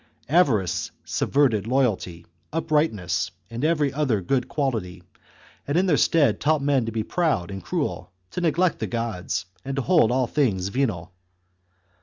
Avarice subverted loyalty, uprightness, and every other good quality, and in their stead taught men to be proud, and cruel, to neglect the gods, and to hold all things venal.